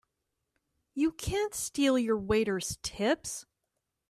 You can't steal your waiters' tips!